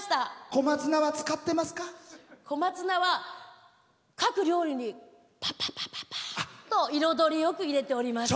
小松菜は各料理にぱぱぱぱっと彩りよく入れております。